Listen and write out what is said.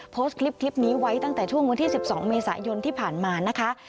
โพสต์คลิปนี้ไว้ตั้งแต่ช่วงวันที่๑๒เมษายนที่ผ่านมานะคะ